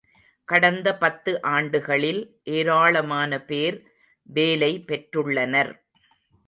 கடந்த பத்து ஆண்டுகளில் ஏராளமான பேர் வேலை பெற்றுள்ளனர்.